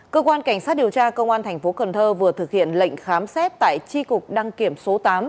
cơ quan cảnh sát điều tra công an tp hcm vừa thực hiện lệnh khám xét tại tri cục đăng kiểm số tám